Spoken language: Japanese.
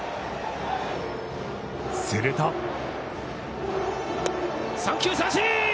すると三球三振！